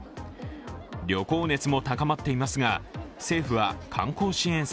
旅行熱も高まっていますが、政府は観光支援策